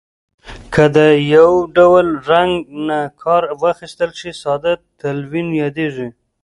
که د یو ډول رنګ نه کار واخیستل شي ساده تلوین یادیږي.